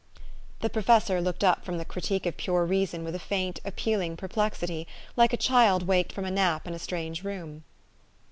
The professor looked up from the " Critique of Pure Reason" with a faint, appealing perplexity, like a child waked from a nap in a strange room.